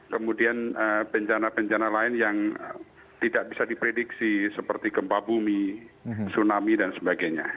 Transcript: kemudian bencana bencana lain yang tidak bisa diprediksi seperti gempa bumi tsunami dan sebagainya